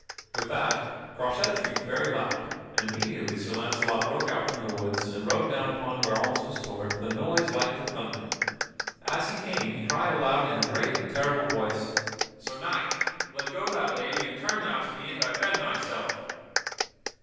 With that Croisette shrieked very loud, and immediately Sir Launcelot broke out from the woods and rode down upon where all this was toward with a noise like to thunder. As he came he cried aloud in a great and terrible voice: "Sir Knight, let go that lady, and turn thou to me and defend thyself!"